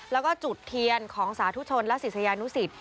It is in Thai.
แล้วก็จุดเทียนของสาธุชนและศิษยานุสิต